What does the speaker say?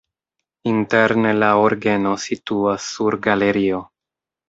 Interne la orgeno situas sur galerio.